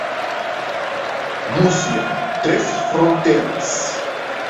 Murcia: Tres Fronteras.